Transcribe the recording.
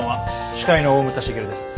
司会の大牟田茂です。